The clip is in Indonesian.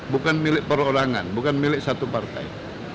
bukan milik perorangan bukan milik satu partai